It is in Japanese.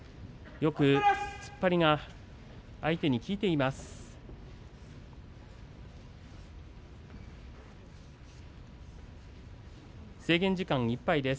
よく突っ張りが相手に効いています。